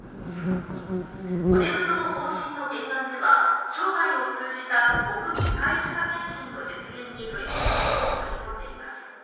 骨太の方針の原案では生涯を通じた国民皆歯科検診の実現に取り組むことを盛り込んでいます。